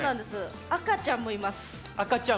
赤ちゃんもいます。